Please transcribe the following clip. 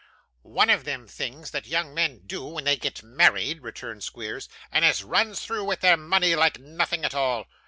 'One of them things that young men do when they get married,' returned Squeers; 'and as runs through with their money like nothing at all!